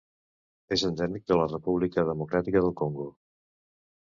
És endèmic de la República Democràtica del Congo.